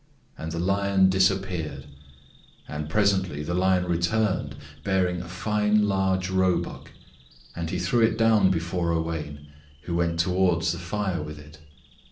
And the lion disappeared. And presently the lion returned, bearing a fine large roebuck. And he threw it down before Owain, who went towards the fire with it.